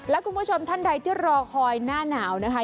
และคุณผู้ชมท่านใดที่รอคอยหน้าหนาวนะคะ